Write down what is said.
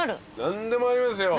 何でもありますね。